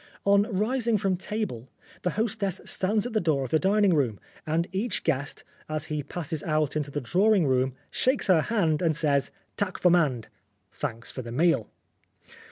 On rising from table the hostess stands at the door of the dining room, and each guest, as he passes out into the draw ing room, shakes her hand and says, "Tak for Mand," " Thanks for the Meal."